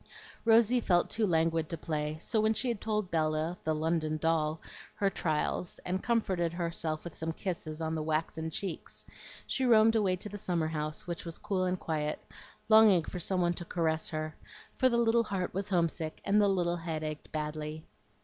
Rosy felt too languid to play; so when she had told Bella, the London doll, her trials, and comforted herself with some kisses on the waxen cheeks, she roamed away to the summer house, which was cool and quiet, longing for some one to caress her; for the little heart was homesick and the little head ached badly.